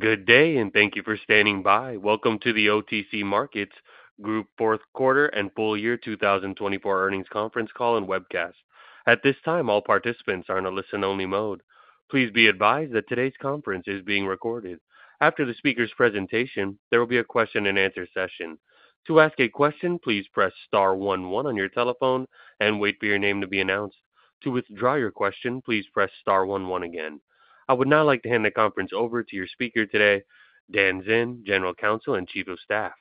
Good day, and thank you for standing by. Welcome to the OTC Markets Group Fourth Quarter and Full Year 2024 Earnings Conference Call and Webcast. At this time, all participants are in a listen-only mode. Please be advised that today's conference is being recorded. After the speaker's presentation, there will be a question-and-answer session. To ask a question, please press star one one on your telephone and wait for your name to be announced. To withdraw your question, please press star one one again. I would now like to hand the conference over to your speaker today, Dan Zinn, General Counsel and Chief of Staff.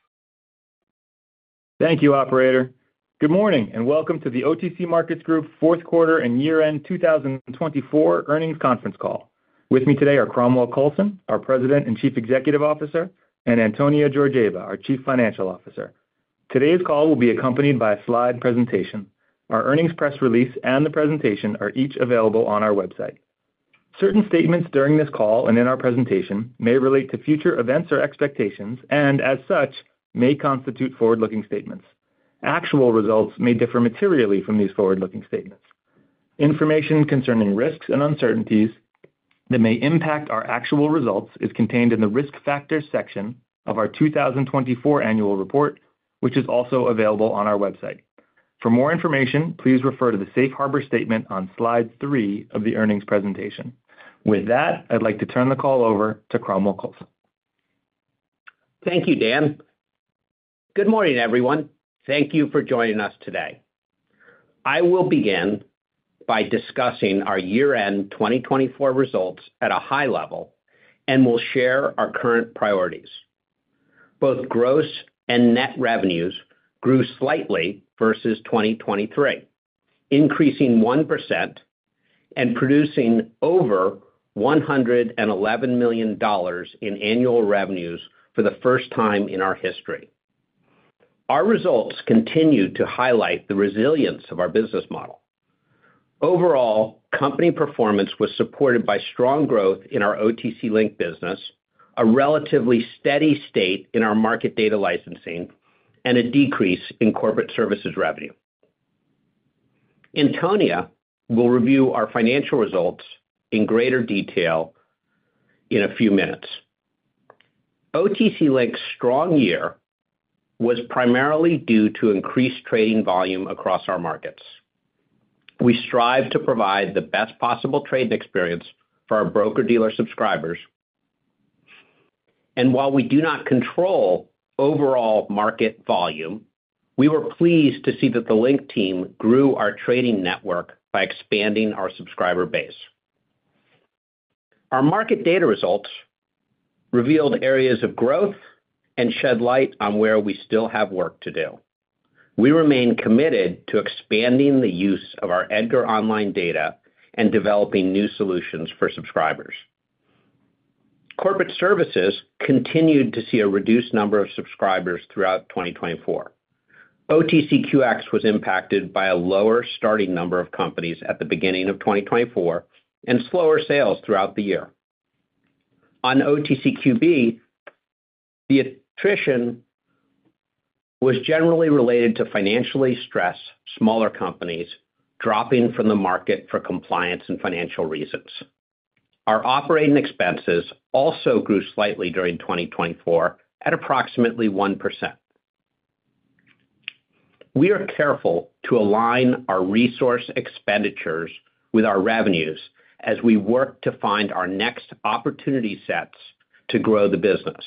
Thank you, Operator. Good morning and welcome to the OTC Markets Group Fourth Quarter and Year-End 2024 Earnings Conference Call. With me today are Cromwell Coulson, our President and Chief Executive Officer, and Antonia Georgieva, our Chief Financial Officer. Today's call will be accompanied by a slide presentation. Our earnings press release and the presentation are each available on our website. Certain statements during this call and in our presentation may relate to future events or expectations and, as such, may constitute forward-looking statements. Actual results may differ materially from these forward-looking statements. Information concerning risks and uncertainties that may impact our actual results is contained in the risk factors section of our 2024 annual report, which is also available on our website. For more information, please refer to the safe harbor statement on slide three of the earnings presentation. With that, I'd like to turn the call over to Cromwell Coulson. Thank you, Dan. Good morning, everyone. Thank you for joining us today. I will begin by discussing our year-end 2024 results at a high level and will share our current priorities. Both gross and net revenues grew slightly versus 2023, increasing 1% and producing over $111 million in annual revenues for the first time in our history. Our results continue to highlight the resilience of our business model. Overall, company performance was supported by strong growth in our OTC Link business, a relatively steady state in our market data licensing, and a decrease in corporate services revenue. Antonia will review our financial results in greater detail in a few minutes. OTC Link's strong year was primarily due to increased trading volume across our markets. We strive to provide the best possible trade experience for our broker-dealer subscribers. While we do not control overall market volume, we were pleased to see that the Link team grew our trading network by expanding our subscriber base. Our market data results revealed areas of growth and shed light on where we still have work to do. We remain committed to expanding the use of our EDGAR Online data and developing new solutions for subscribers. Corporate services continued to see a reduced number of subscribers throughout 2024. OTCQX was impacted by a lower starting number of companies at the beginning of 2024 and slower sales throughout the year. On OTCQB, the attrition was generally related to financially stressed smaller companies dropping from the market for compliance and financial reasons. Our operating expenses also grew slightly during 2024 at approximately 1%. We are careful to align our resource expenditures with our revenues as we work to find our next opportunity sets to grow the business.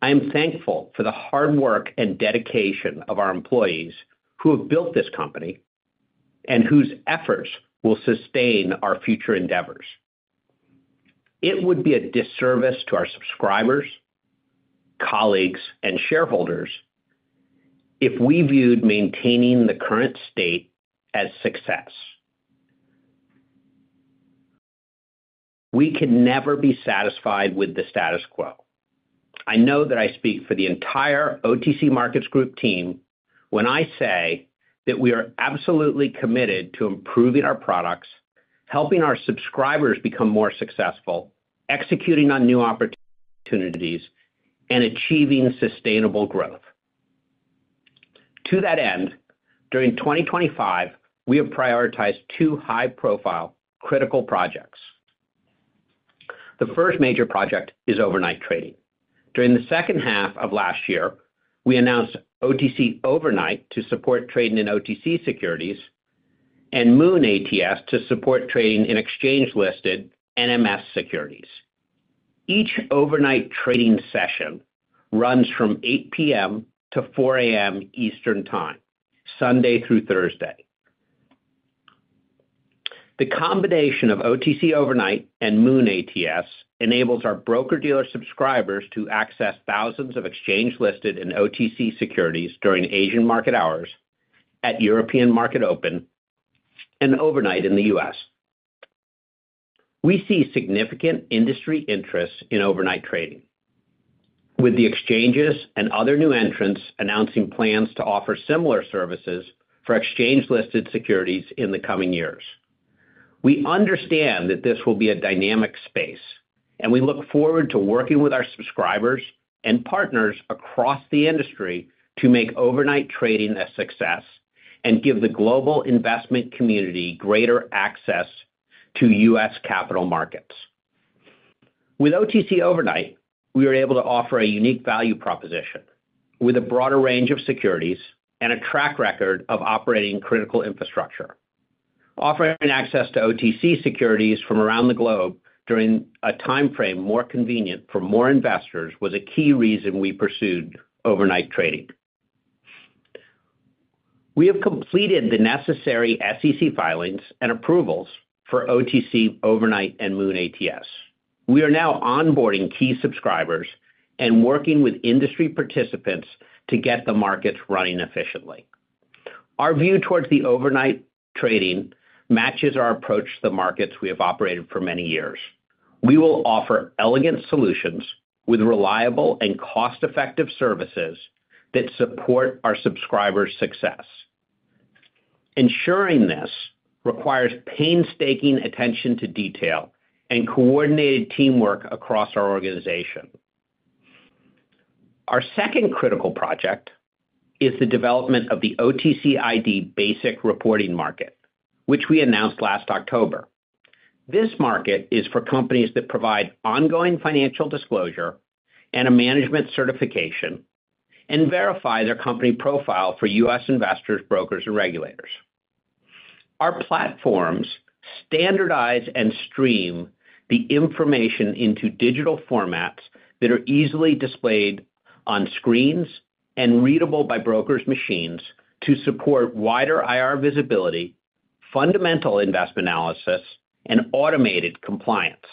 I am thankful for the hard work and dedication of our employees who have built this company and whose efforts will sustain our future endeavors. It would be a disservice to our subscribers, colleagues, and shareholders if we viewed maintaining the current state as success. We can never be satisfied with the status quo. I know that I speak for the entire OTC Markets Group team when I say that we are absolutely committed to improving our products, helping our subscribers become more successful, executing on new opportunities, and achieving sustainable growth. To that end, during 2025, we have prioritized two high-profile critical projects. The first major project is overnight trading. During the second half of last year, we announced OTC Overnight to support trading in OTC securities and MOON ATS to support trading in exchange-listed NMS securities. Each overnight trading session runs from 8:00 P.M. to 4:00 A.M. Eastern Time, Sunday through Thursday. The combination of OTC Overnight and MOON ATS enables our broker-dealer subscribers to access thousands of exchange-listed and OTC securities during Asian market hours, at European market open, and overnight in the U.S. We see significant industry interest in overnight trading, with the exchanges and other new entrants announcing plans to offer similar services for exchange-listed securities in the coming years. We understand that this will be a dynamic space, and we look forward to working with our subscribers and partners across the industry to make overnight trading a success and give the global investment community greater access to U.S. capital markets. With OTC Overnight, we are able to offer a unique value proposition with a broader range of securities and a track record of operating critical infrastructure. Offering access to OTC securities from around the globe during a timeframe more convenient for more investors was a key reason we pursued overnight trading. We have completed the necessary SEC filings and approvals for OTC Overnight and MOON ATS. We are now onboarding key subscribers and working with industry participants to get the markets running efficiently. Our view towards the overnight trading matches our approach to the markets we have operated for many years. We will offer elegant solutions with reliable and cost-effective services that support our subscribers' success. Ensuring this requires painstaking attention to detail and coordinated teamwork across our organization. Our second critical project is the development of the OTCID Basic Reporting Market, which we announced last October. This market is for companies that provide ongoing financial disclosure and a management certification and verify their company profile for U.S. investors, brokers, and regulators. Our platforms standardize and stream the information into digital formats that are easily displayed on screens and readable by brokers' machines to support wider IR visibility, fundamental investment analysis, and automated compliance.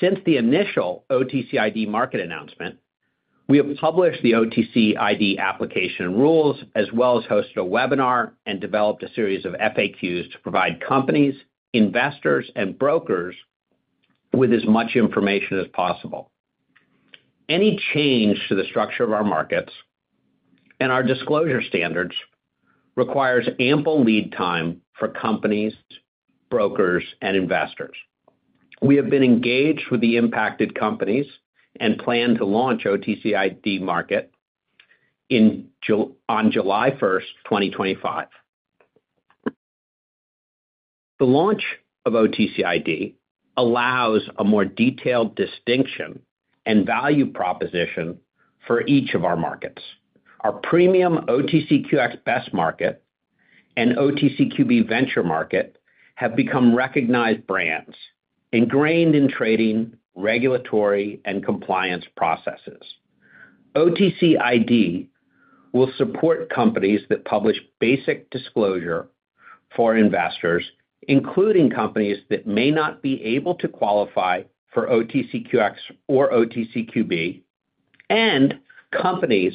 Since the initial OTCID market announcement, we have published the OTCID application rules as well as hosted a webinar and developed a series of FAQs to provide companies, investors, and brokers with as much information as possible. Any change to the structure of our markets and our disclosure standards requires ample lead time for companies, brokers, and investors. We have been engaged with the impacted companies and plan to launch OTCID market on July 1st, 2025. The launch of OTCID allows a more detailed distinction and value proposition for each of our markets. Our premium OTCQX Best Market and OTCQB Venture Market have become recognized brands ingrained in trading, regulatory, and compliance processes. OTCID will support companies that publish basic disclosure for investors, including companies that may not be able to qualify for OTCQX or OTCQB, and companies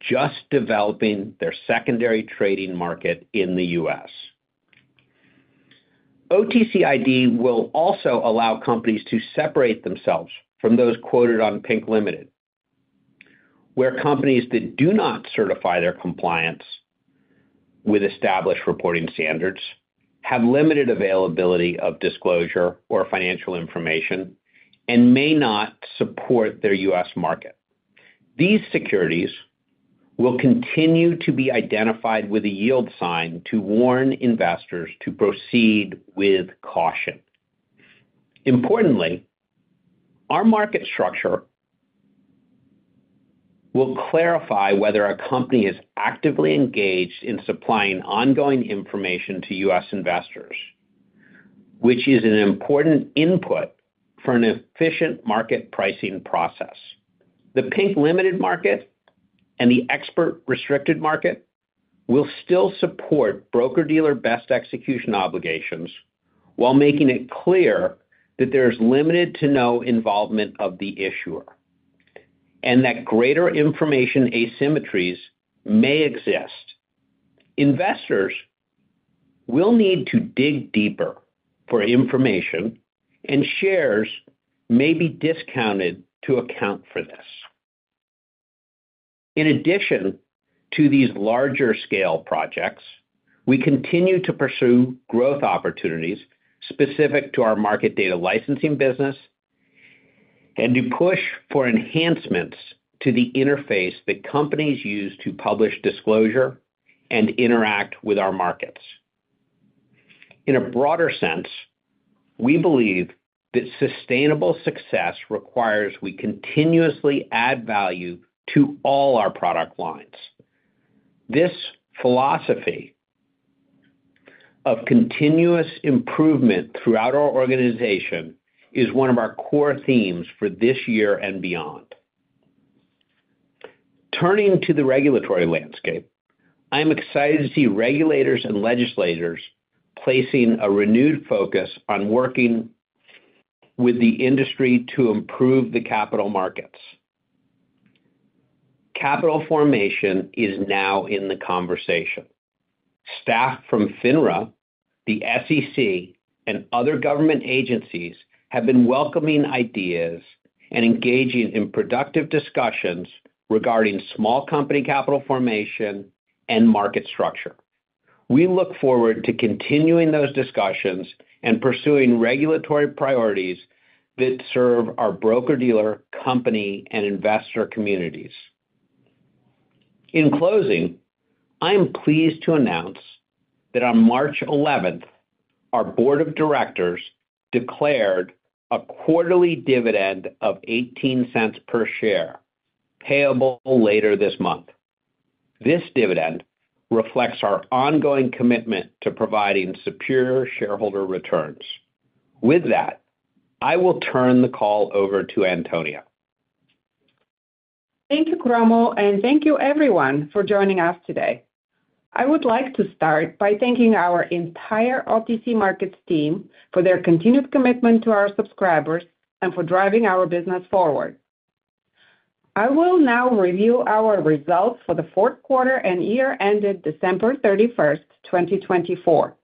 just developing their secondary trading market in the U.S. OTCID will also allow companies to separate themselves from those quoted on Pink Limited, where companies that do not certify their compliance with established reporting standards have limited availability of disclosure or financial information and may not support their U.S. market. These securities will continue to be identified with a yield sign to warn investors to proceed with caution. Importantly, our market structure will clarify whether a company is actively engaged in supplying ongoing information to U.S. investors, which is an important input for an efficient market pricing process. The Pink Limited market and the Expert Restricted market will still support broker-dealer best execution obligations while making it clear that there is limited to no involvement of the issuer and that greater information asymmetries may exist. Investors will need to dig deeper for information, and shares may be discounted to account for this. In addition to these larger-scale projects, we continue to pursue growth opportunities specific to our market data licensing business and to push for enhancements to the interface that companies use to publish disclosure and interact with our markets. In a broader sense, we believe that sustainable success requires we continuously add value to all our product lines. This philosophy of continuous improvement throughout our organization is one of our core themes for this year and beyond. Turning to the regulatory landscape, I am excited to see regulators and legislators placing a renewed focus on working with the industry to improve the capital markets. Capital formation is now in the conversation. Staff from FINRA, the SEC, and other government agencies have been welcoming ideas and engaging in productive discussions regarding small company capital formation and market structure. We look forward to continuing those discussions and pursuing regulatory priorities that serve our broker-dealer, company, and investor communities. In closing, I am pleased to announce that on March 11th, our board of directors declared a quarterly dividend of $0.18 per share payable later this month. This dividend reflects our ongoing commitment to providing secure shareholder returns. With that, I will turn the call over to Antonia. Thank you, Cromwell, and thank you, everyone, for joining us today. I would like to start by thanking our entire OTC Markets team for their continued commitment to our subscribers and for driving our business forward. I will now review our results for the fourth quarter and year ended December 31, 2024.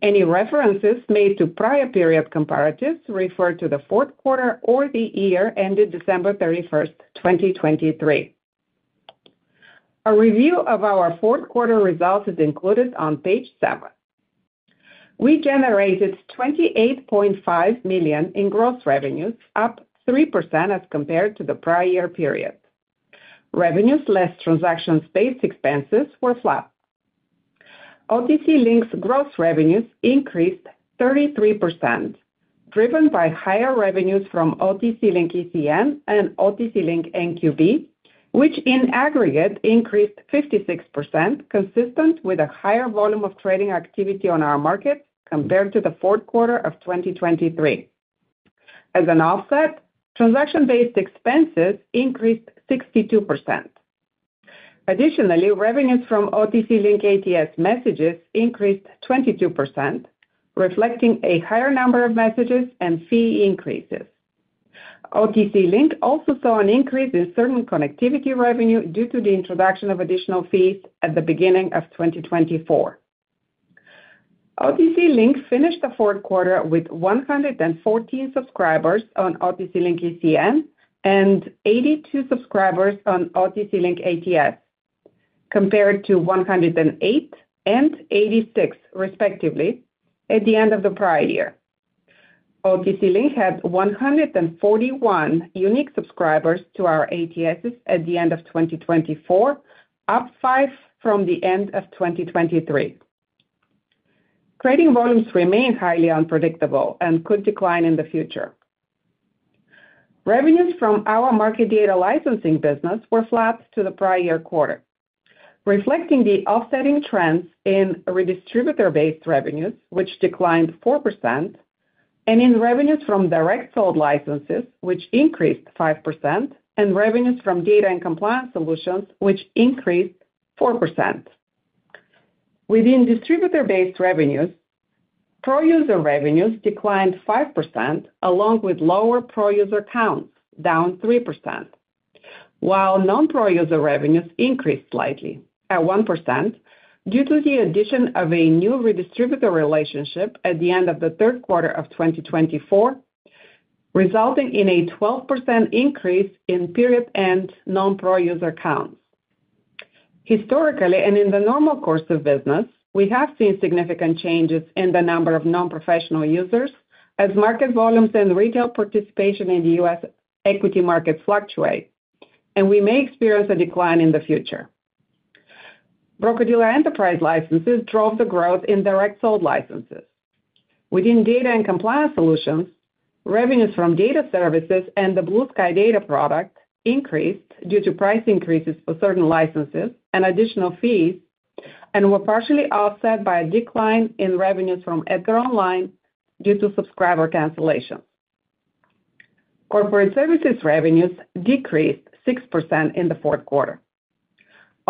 Any references made to prior period comparatives refer to the fourth quarter or the year ended December 31, 2023. A review of our fourth quarter results is included on page seven. We generated $28.5 million in gross revenues, up 3% as compared to the prior year period. Revenues less transaction-based expenses were flat. OTC Link's gross revenues increased 33%, driven by higher revenues from OTC Link ECN and OTC Link NQB, which in aggregate increased 56%, consistent with a higher volume of trading activity on our market compared to the fourth quarter of 2023. As an offset, transaction-based expenses increased 62%. Additionally, revenues from OTC Link ATS messages increased 22%, reflecting a higher number of messages and fee increases. OTC Link also saw an increase in certain connectivity revenue due to the introduction of additional fees at the beginning of 2024. OTC Link finished the fourth quarter with 114 subscribers on OTC Link ECN and 82 subscribers on OTC Link ATS, compared to 108 and 86, respectively, at the end of the prior year. OTC Link had 141 unique subscribers to our ATSs at the end of 2024, up 5 from the end of 2023. Trading volumes remain highly unpredictable and could decline in the future. Revenues from our market data licensing business were flat to the prior year quarter, reflecting the offsetting trends in redistributor-based revenues, which declined 4%, and in revenues from direct sold licenses, which increased 5%, and revenues from data and compliance solutions, which increased 4%. Within distributor-based revenues, pro-user revenues declined 5%, along with lower pro-user counts, down 3%, while non-pro-user revenues increased slightly, at 1%, due to the addition of a new redistributor relationship at the end of the third quarter of 2024, resulting in a 12% increase in period-end non-pro-user counts. Historically and in the normal course of business, we have seen significant changes in the number of non-professional users as market volumes and retail participation in the U.S. equity markets fluctuate, and we may experience a decline in the future. Broker-dealer enterprise licenses drove the growth in direct sold licenses. Within data and compliance solutions, revenues from data services and the Blue Sky Data product increased due to price increases for certain licenses and additional fees and were partially offset by a decline in revenues from EDGAR Online due to subscriber cancellations. Corporate services revenues decreased 6% in the fourth quarter.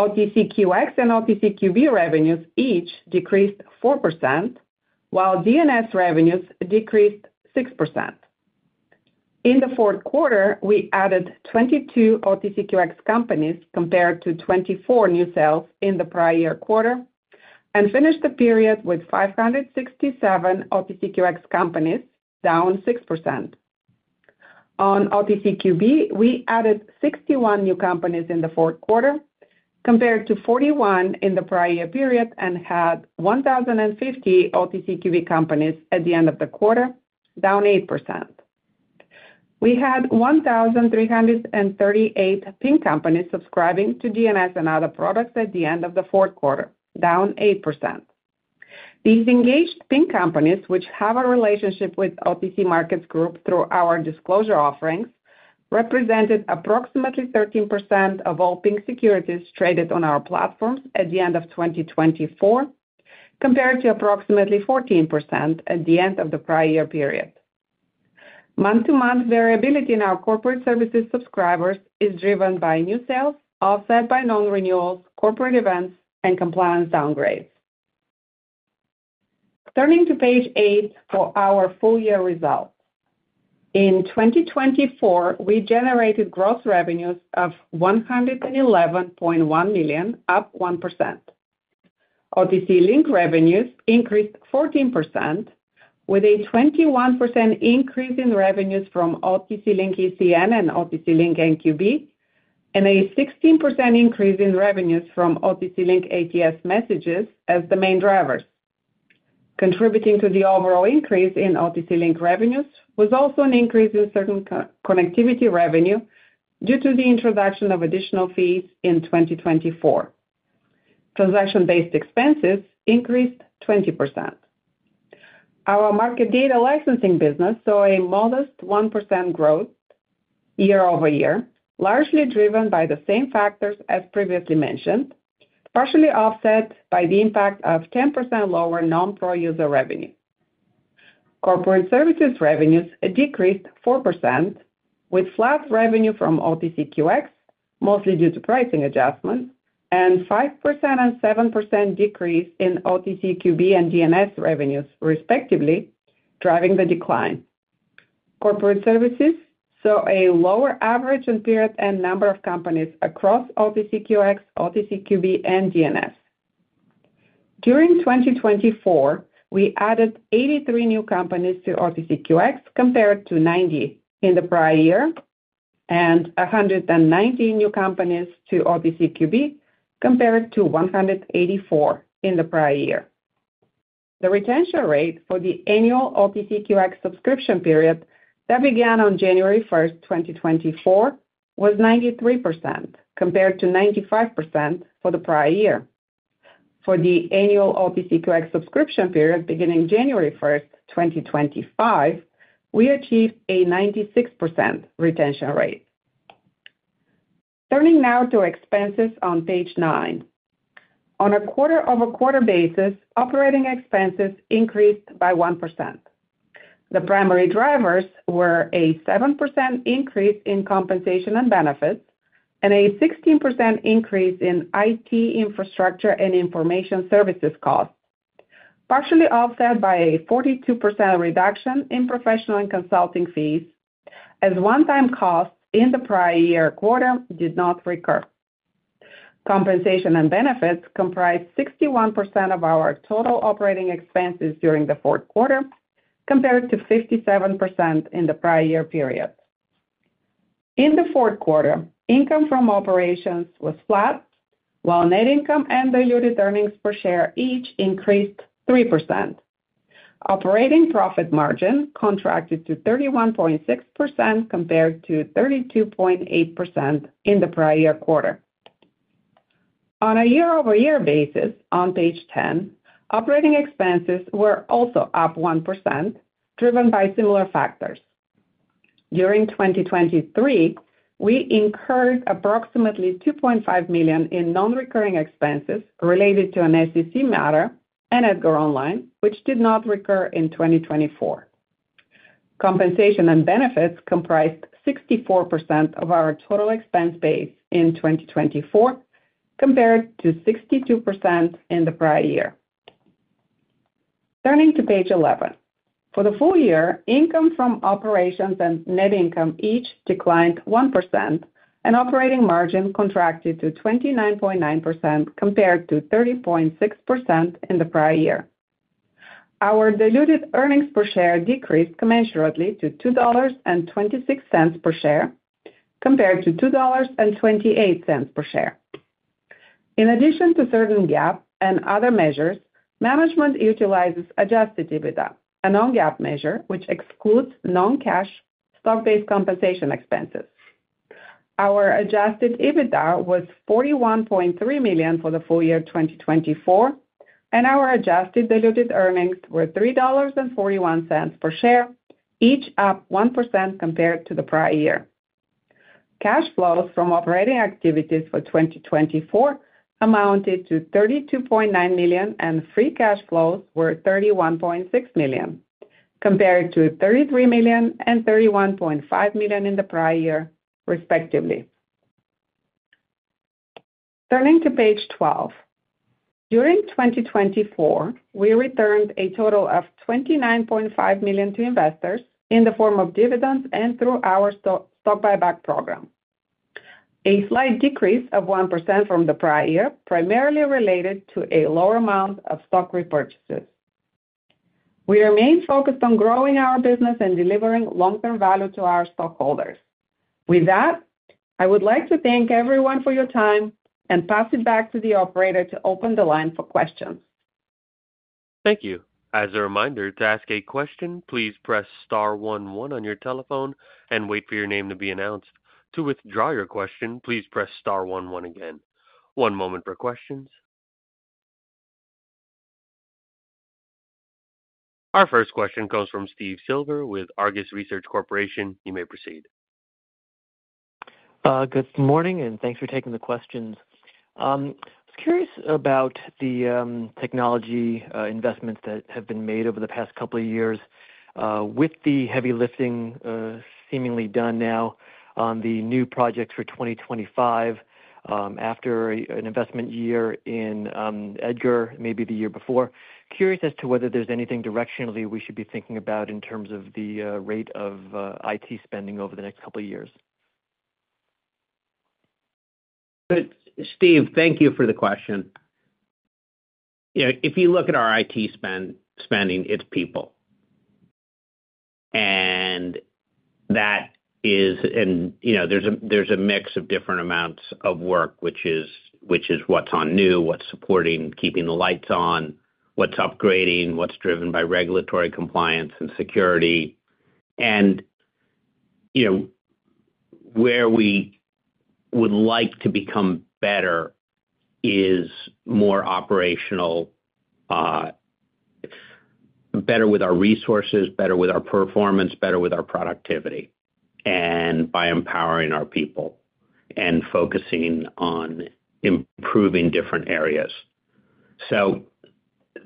OTCQX and OTCQB revenues each decreased 4%, while DNS revenues decreased 6%. In the fourth quarter, we added 22 OTCQX companies compared to 24 new sales in the prior year quarter and finished the period with 567 OTCQX companies, down 6%. On OTCQB, we added 61 new companies in the fourth quarter compared to 41 in the prior year period and had 1,050 OTCQB companies at the end of the quarter, down 8%. We had 1,338 Pink companies subscribing to DNS and other products at the end of the fourth quarter, down 8%. These engaged Pink companies, which have a relationship with OTC Markets Group through our disclosure offerings, represented approximately 13% of all Pink securities traded on our platforms at the end of 2024, compared to approximately 14% at the end of the prior year period. Month-to-month variability in our corporate services subscribers is driven by new sales, offset by non-renewals, corporate events, and compliance downgrades. Turning to page eight for our full-year results, in 2024, we generated gross revenues of $111.1 million, up 1%. OTC Link revenues increased 14%, with a 21% increase in revenues from OTC Link ECN and OTC Link NQB, and a 16% increase in revenues from OTC Link ATS messages as the main drivers. Contributing to the overall increase in OTC Link revenues was also an increase in certain connectivity revenue due to the introduction of additional fees in 2024. Transaction-based expenses increased 20%. Our market data licensing business saw a modest 1% growth year-over-year, largely driven by the same factors as previously mentioned, partially offset by the impact of 10% lower non-pro-user revenue. Corporate services revenues decreased 4%, with flat revenue from OTCQX, mostly due to pricing adjustments, and a 5% and 7% decrease in OTCQB and DNS revenues, respectively, driving the decline. Corporate services saw a lower average in period-end number of companies across OTCQX, OTCQB, and DNS. During 2024, we added 83 new companies to OTCQX, compared to 90 in the prior year, and 119 new companies to OTCQB, compared to 184 in the prior year. The retention rate for the annual OTCQX subscription period that began on January 1st, 2024, was 93%, compared to 95% for the prior year. For the annual OTCQX subscription period beginning January 1st, 2025, we achieved a 96% retention rate. Turning now to expenses on page nine, on a quarter-over-quarter basis, operating expenses increased by 1%. The primary drivers were a 7% increase in compensation and benefits and a 16% increase in IT infrastructure and information services costs, partially offset by a 42% reduction in professional and consulting fees as one-time costs in the prior year quarter did not recur. Compensation and benefits comprised 61% of our total operating expenses during the fourth quarter, compared to 57% in the prior year period. In the fourth quarter, income from operations was flat, while net income and diluted earnings per share each increased 3%. Operating profit margin contracted to 31.6%, compared to 32.8% in the prior year quarter. On a year-over-year basis, on page 10, operating expenses were also up 1%, driven by similar factors. During 2023, we incurred approximately $2.5 million in non-recurring expenses related to an SEC matter and EDGAR Online, which did not recur in 2024. Compensation and benefits comprised 64% of our total expense base in 2024, compared to 62% in the prior year. Turning to page 11, for the full year, income from operations and net income each declined 1%, and operating margin contracted to 29.9%, compared to 30.6% in the prior year. Our diluted earnings per share decreased commensurately to $2.26 per share, compared to $2.28 per share. In addition to certain GAAP and other measures, management utilizes adjusted EBITDA, a non-GAAP measure which excludes non-cash stock-based compensation expenses. Our adjusted EBITDA was $41.3 million for the full year 2024, and our adjusted diluted earnings were $3.41 per share, each up 1% compared to the prior year. Cash flows from operating activities for 2024 amounted to $32.9 million, and free cash flows were $31.6 million, compared to $33 million and $31.5 million in the prior year, respectively. Turning to page 12, during 2024, we returned a total of $29.5 million to investors in the form of dividends and through our stock buyback program. A slight decrease of 1% from the prior year, primarily related to a lower amount of stock repurchases. We remain focused on growing our business and delivering long-term value to our stockholders. With that, I would like to thank everyone for your time and pass it back to the operator to open the line for questions. Thank you. As a reminder, to ask a question, please press star one one on your telephone and wait for your name to be announced. To withdraw your question, please press star one one again. One moment for questions. Our first question comes from Steve Silver with Argus Research Corporation. You may proceed. Good morning, and thanks for taking the questions. I was curious about the technology investments that have been made over the past couple of years with the heavy lifting seemingly done now on the new projects for 2025 after an investment year in EDGAR, maybe the year before. Curious as to whether there's anything directionally we should be thinking about in terms of the rate of IT spending over the next couple of years. Steve, thank you for the question. If you look at our IT spending, it's people. That is, and there's a mix of different amounts of work, which is what's on new, what's supporting, keeping the lights on, what's upgrading, what's driven by regulatory compliance and security. Where we would like to become better is more operational, better with our resources, better with our performance, better with our productivity, and by empowering our people and focusing on improving different areas.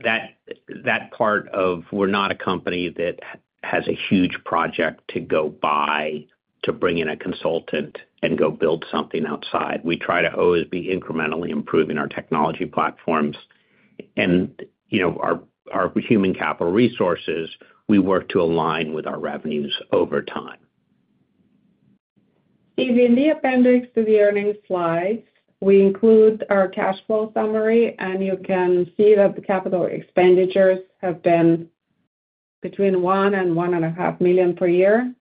That part of we're not a company that has a huge project to go buy to bring in a consultant and go build something outside. We try to always be incrementally improving our technology platforms. Our human capital resources, we work to align with our revenues over time. Steve, in the appendix to the earnings slides, we include our cash flow summary, and you can see that the capital expenditures have been between $1 million and $1.5 million per year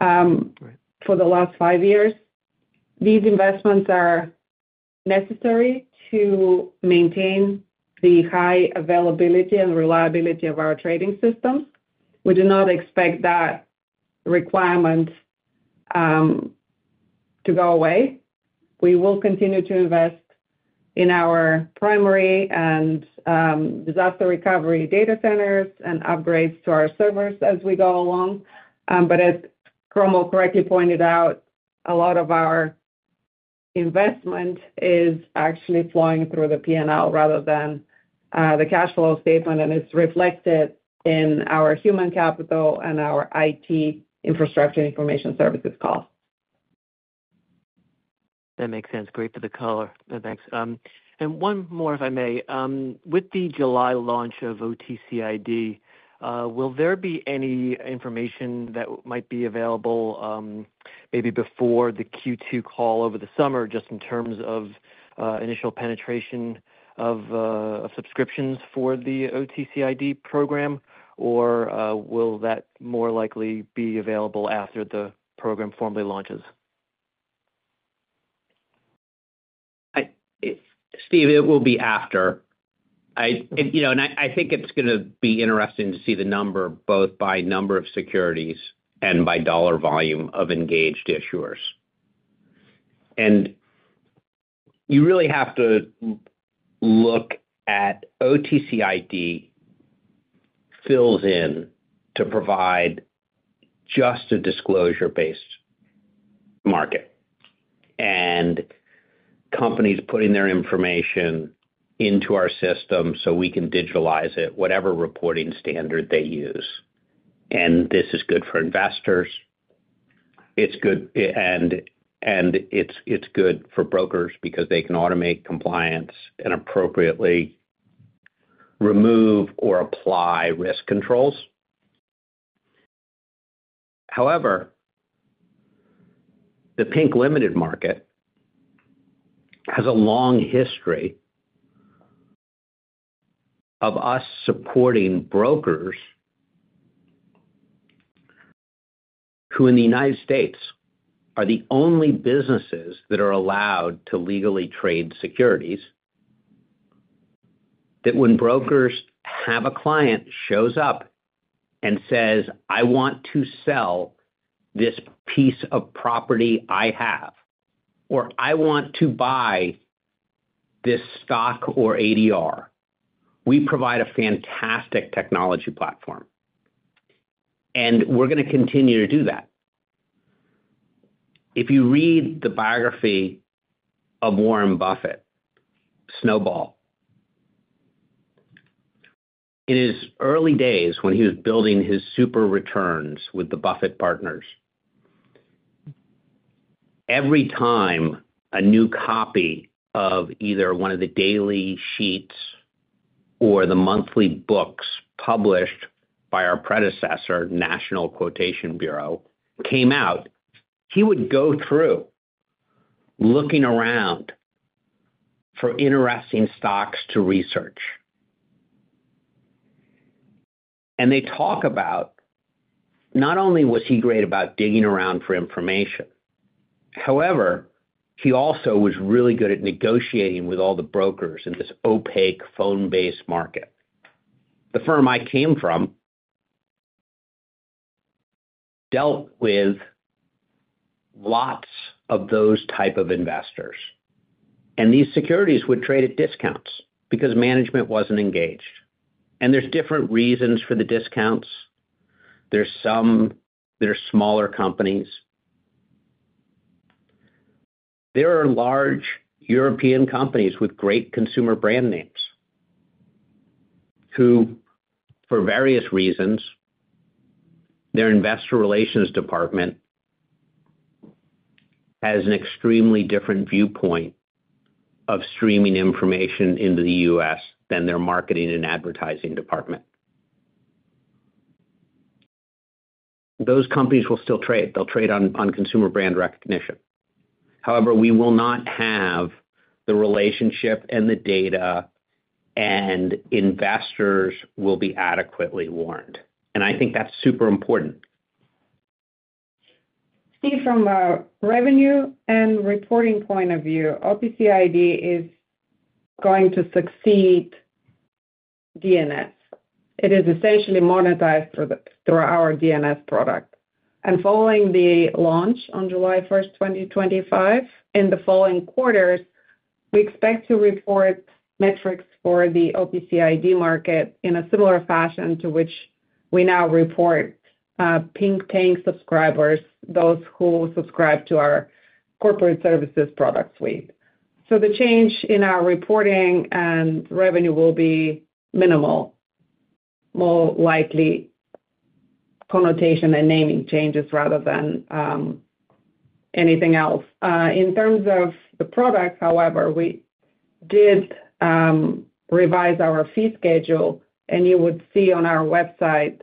for the last five years. These investments are necessary to maintain the high availability and reliability of our trading systems. We do not expect that requirement to go away. We will continue to invest in our primary and disaster recovery data centers and upgrades to our servers as we go along. As Cromwell correctly pointed out, a lot of our investment is actually flowing through the P&L rather than the cash flow statement, and it's reflected in our human capital and our IT infrastructure and information services costs. That makes sense. Great for the color. Thanks. One more, if I may. With the July launch of OTCID, will there be any information that might be available maybe before the Q2 call over the summer just in terms of initial penetration of subscriptions for the OTCID program, or will that more likely be available after the program formally launches? Steve, it will be after. I think it's going to be interesting to see the number both by number of securities and by dollar volume of engaged issuers. You really have to look at OTCID fills in to provide just a disclosure-based market. Companies putting their information into our system so we can digitalize it, whatever reporting standard they use. This is good for investors. It's good for brokers because they can automate compliance and appropriately remove or apply risk controls. However, the Pink Limited market has a long history of us supporting brokers who in the United States are the only businesses that are allowed to legally trade securities that when brokers have a client shows up and says, "I want to sell this piece of property I have," or, "I want to buy this stock or ADR," we provide a fantastic technology platform. We are going to continue to do that. If you read the biography of Warren Buffett, Snowball, in his early days when he was building his super returns with the Buffett Partners, every time a new copy of either one of the daily sheets or the monthly books published by our predecessor, National Quotation Bureau, came out, he would go through looking around for interesting stocks to research. They talk about not only was he great about digging around for information, however, he also was really good at negotiating with all the brokers in this opaque phone-based market. The firm I came from dealt with lots of those types of investors. These securities would trade at discounts because management was not engaged. There are different reasons for the discounts. There are smaller companies. There are large European companies with great consumer brand names who, for various reasons, their investor relations department has an extremely different viewpoint of streaming information into the U.S. than their marketing and advertising department. Those companies will still trade. They will trade on consumer brand recognition. However, we will not have the relationship and the data, and investors will be adequately warned. I think that is super important. Steve, from a revenue and reporting point of view, OTCID is going to succeed DNS. It is essentially monetized through our DNS product. Following the launch on July 1st, 2025, in the following quarters, we expect to report metrics for the OTCID market in a similar fashion to which we now report Pink tier subscribers, those who subscribe to our corporate services product suite. The change in our reporting and revenue will be minimal, more likely connotation and naming changes rather than anything else. In terms of the product, however, we did revise our fee schedule, and you would see on our website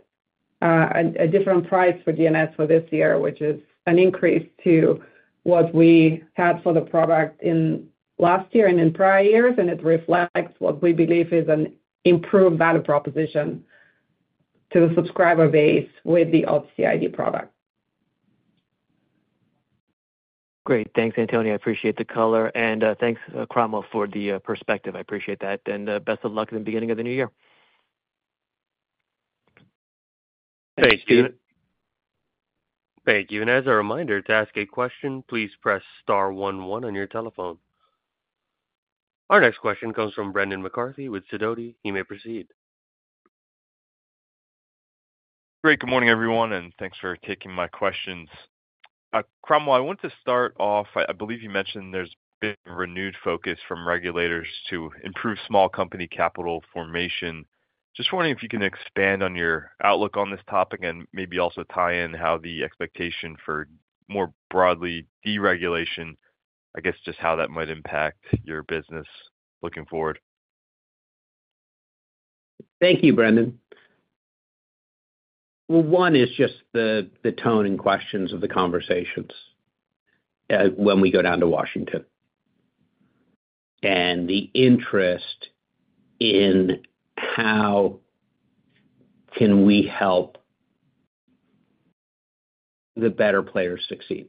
a different price for DNS for this year, which is an increase to what we had for the product in last year and in prior years. It reflects what we believe is an improved value proposition to the subscriber base with the OTCID product. Great. Thanks, Antonia. I appreciate the color. Thanks, Cromwell, for the perspective. I appreciate that. Best of luck in the beginning of the new year. Thanks, Steve. Thank you. Just a reminder to ask a question, please press star one one on your telephone. Our next question comes from Brendan McCarthy with Sidoti. He may proceed. Great. Good morning, everyone, and thanks for taking my questions. Cromwell, I want to start off, I believe you mentioned there's been renewed focus from regulators to improve small company capital formation. Just wondering if you can expand on your outlook on this topic and maybe also tie in how the expectation for more broadly deregulation, I guess just how that might impact your business looking forward. Thank you, Brendan. One is just the tone and questions of the conversations when we go down to Washington, D.C. and the interest in how can we help the better players succeed.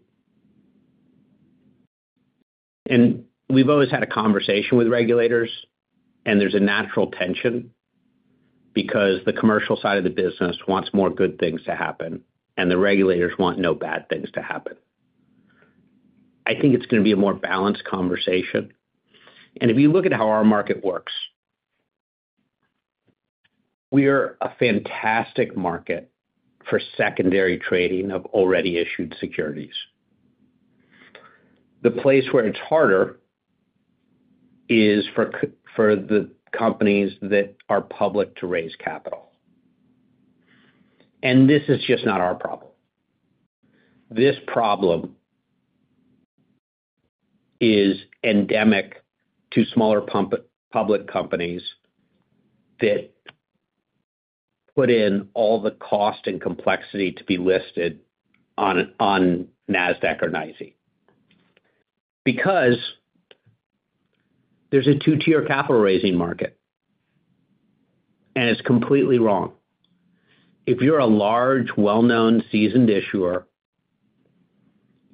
We've always had a conversation with regulators, and there's a natural tension because the commercial side of the business wants more good things to happen, and the regulators want no bad things to happen. I think it's going to be a more balanced conversation. If you look at how our market works, we're a fantastic market for secondary trading of already issued securities. The place where it's harder is for the companies that are public to raise capital. This is just not our problem. This problem is endemic to smaller public companies that put in all the cost and complexity to be listed on NASDAQ or New York Stock Exchange because there's a two-tier capital raising market. It's completely wrong. If you're a large, well-known seasoned issuer,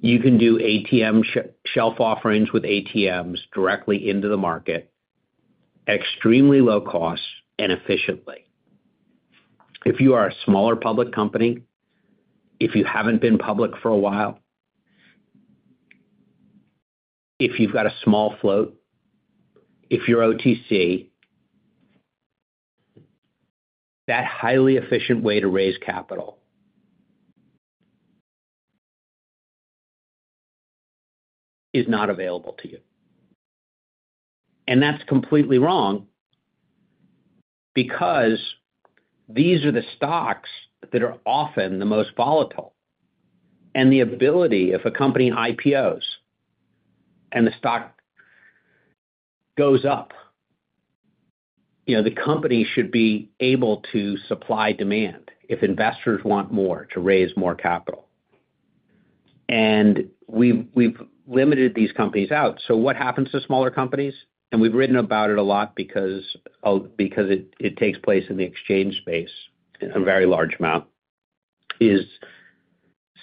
you can do ATM shelf offerings with ATMs directly into the market at extremely low costs and efficiently. If you are a smaller public company, if you haven't been public for a while, if you've got a small float, if you're OTC, that highly efficient way to raise capital is not available to you. That's completely wrong because these are the stocks that are often the most volatile. The ability, if a company IPOs and the stock goes up, the company should be able to supply demand if investors want more to raise more capital. We've limited these companies out. What happens to smaller companies? We've written about it a lot because it takes place in the exchange space in a very large amount.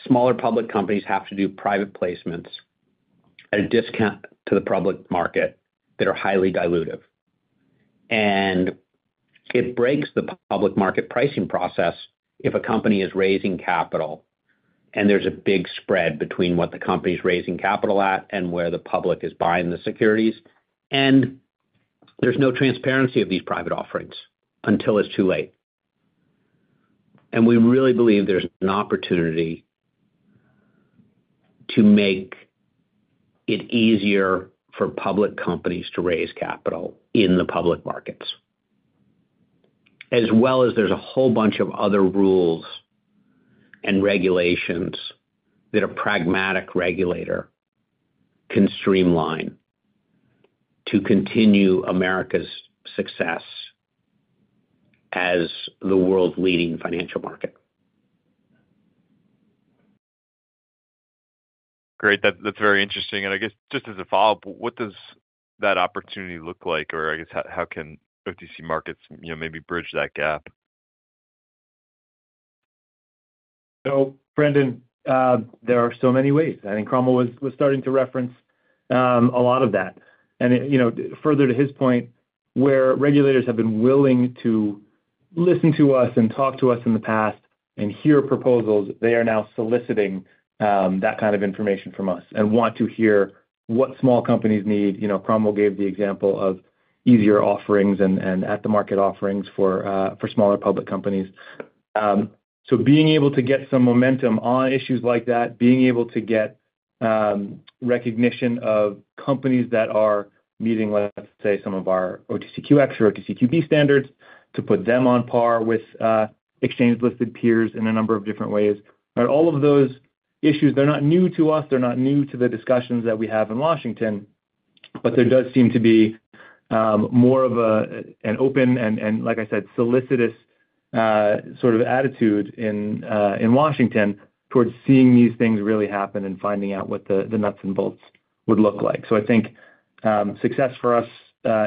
Smaller public companies have to do private placements at a discount to the public market that are highly dilutive. It breaks the public market pricing process if a company is raising capital and there's a big spread between what the company's raising capital at and where the public is buying the securities. There's no transparency of these private offerings until it's too late. We really believe there's an opportunity to make it easier for public companies to raise capital in the public markets, as well as there's a whole bunch of other rules and regulations that a pragmatic regulator can streamline to continue America's success as the world's leading financial market. Great. That's very interesting. I guess just as a follow-up, what does that opportunity look like? I guess how can OTC Markets maybe bridge that gap? Brendan, there are so many ways. I think Cromwell was starting to reference a lot of that. Further to his point, where regulators have been willing to listen to us and talk to us in the past and hear proposals, they are now soliciting that kind of information from us and want to hear what small companies need. Cromwell gave the example of easier offerings and at-the-market offerings for smaller public companies. Being able to get some momentum on issues like that, being able to get recognition of companies that are meeting, let's say, some of our OTCQX or OTCQB standards to put them on par with exchange-listed peers in a number of different ways. All of those issues, they're not new to us. They're not new to the discussions that we have in Washington, but there does seem to be more of an open and, like I said, solicitous sort of attitude in Washington towards seeing these things really happen and finding out what the nuts and bolts would look like. I think success for us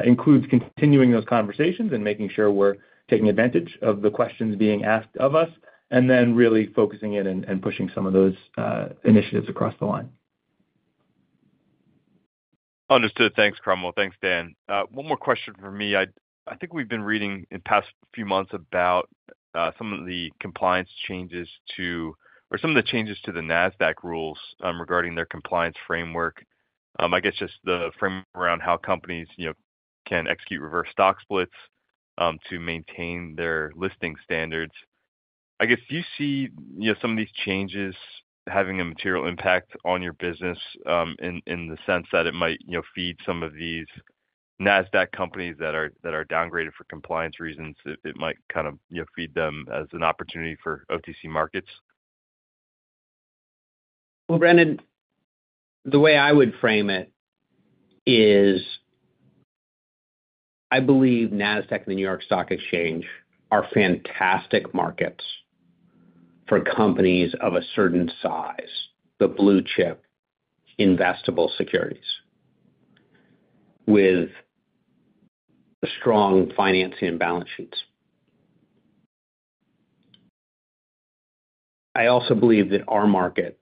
includes continuing those conversations and making sure we're taking advantage of the questions being asked of us, and then really focusing in and pushing some of those initiatives across the line. Understood. Thanks, Cromwell. Thanks, Dan. One more question for me. I think we've been reading in the past few months about some of the compliance changes to or some of the changes to the NASDAQ rules regarding their compliance framework. I guess just the framework around how companies can execute reverse stock splits to maintain their listing standards. I guess do you see some of these changes having a material impact on your business in the sense that it might feed some of these NASDAQ companies that are downgraded for compliance reasons? It might kind of feed them as an opportunity for OTC Markets? Brendan, the way I would frame it is I believe NASDAQ and the New York Stock Exchange are fantastic markets for companies of a certain size, the blue chip investable securities with strong financing and balance sheets. I also believe that our market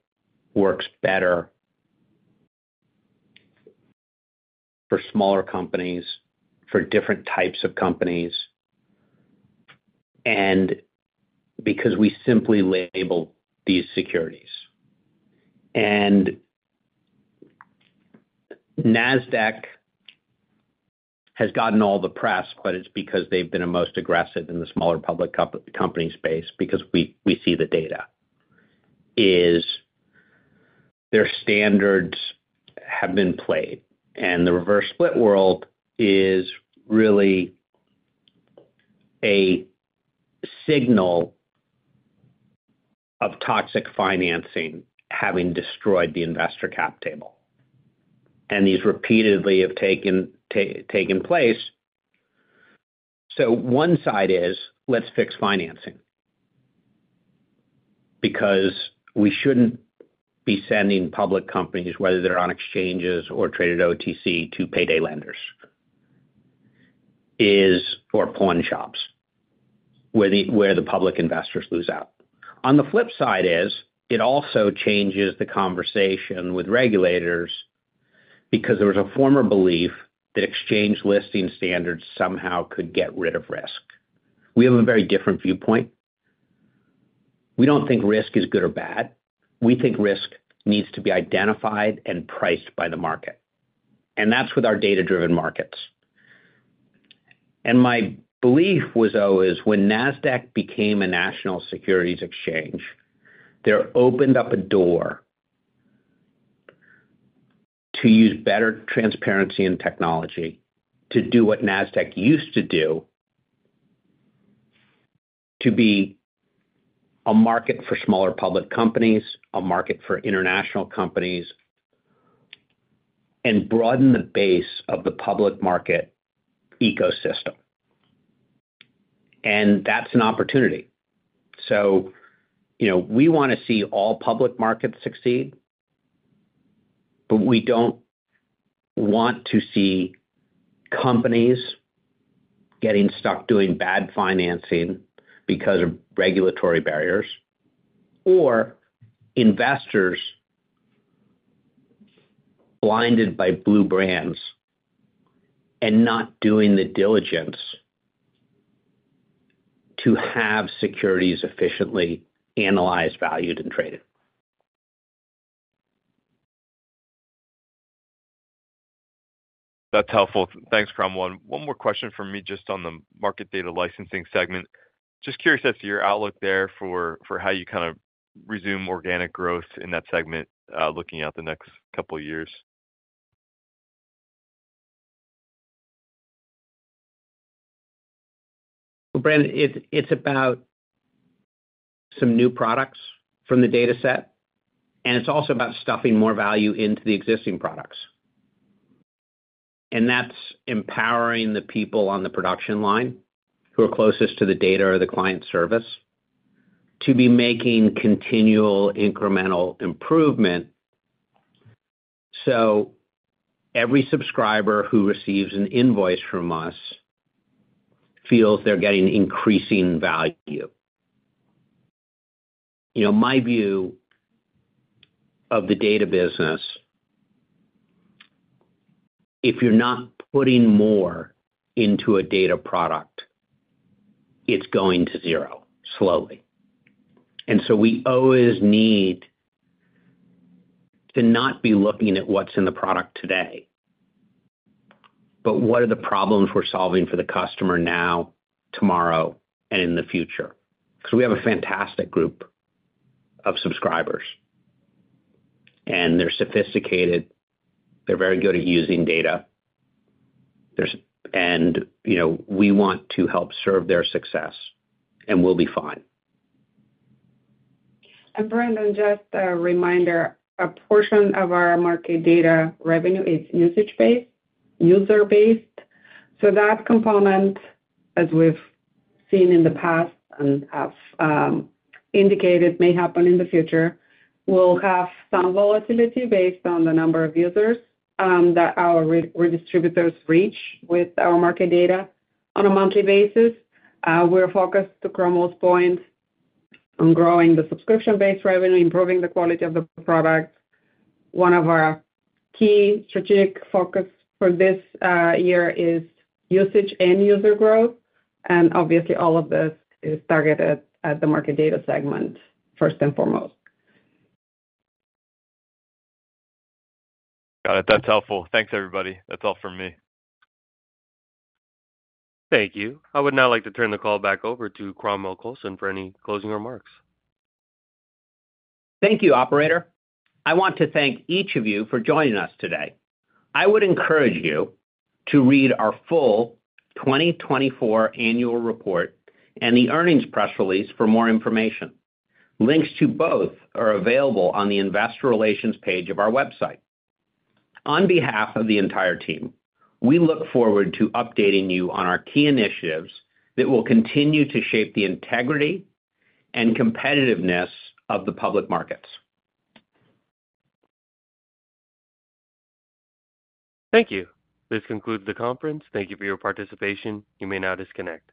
works better for smaller companies, for different types of companies, and because we simply label these securities. NASDAQ has gotten all the press, but it's because they've been most aggressive in the smaller public company space because we see the data. Their standards have been played. The reverse split world is really a signal of toxic financing having destroyed the investor cap table. These repeatedly have taken place. One side is, "Let's fix financing because we shouldn't be sending public companies, whether they're on exchanges or traded OTC, to payday lenders or pawn shops where the public investors lose out." On the flip side, it also changes the conversation with regulators because there was a former belief that exchange-listing standards somehow could get rid of risk. We have a very different viewpoint. We don't think risk is good or bad. We think risk needs to be identified and priced by the market. That's with our data-driven markets. My belief was always when NASDAQ became a national securities exchange, there opened up a door to use better transparency and technology to do what NASDAQ used to do, to be a market for smaller public companies, a market for international companies, and broaden the base of the public market ecosystem. That's an opportunity. We want to see all public markets succeed, but we don't want to see companies getting stuck doing bad financing because of regulatory barriers or investors blinded by blue brands and not doing the diligence to have securities efficiently analyzed, valued, and traded. That's helpful. Thanks, Cromwell. One more question from me just on the market data licensing segment. Just curious as to your outlook there for how you kind of resume organic growth in that segment looking at the next couple of years. Brendan, it's about some new products from the data set, and it's also about stuffing more value into the existing products. It's empowering the people on the production line who are closest to the data or the client service to be making continual incremental improvement so every subscriber who receives an invoice from us feels they're getting increasing value. My view of the data business, if you're not putting more into a data product, it's going to zero slowly. We always need to not be looking at what's in the product today, but what are the problems we're solving for the customer now, tomorrow, and in the future? We have a fantastic group of subscribers, and they're sophisticated. They're very good at using data. We want to help serve their success, and we'll be fine. Brendan, just a reminder, a portion of our market data revenue is user-based. That component, as we've seen in the past and have indicated may happen in the future, will have some volatility based on the number of users that our redistributors reach with our market data on a monthly basis. We're focused, to Cromwell's point, on growing the subscription-based revenue, improving the quality of the product. One of our key strategic focuses for this year is usage and user growth. Obviously, all of this is targeted at the market data segment first and foremost. Got it. That's helpful. Thanks, everybody. That's all from me. Thank you. I would now like to turn the call back over to Cromwell Coulson for any closing remarks. Thank you, operator. I want to thank each of you for joining us today. I would encourage you to read our full 2024 annual report and the earnings press release for more information. Links to both are available on the investor relations page of our website. On behalf of the entire team, we look forward to updating you on our key initiatives that will continue to shape the integrity and competitiveness of the public markets. Thank you. This concludes the conference. Thank you for your participation. You may now disconnect.